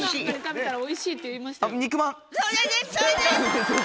それですそれです！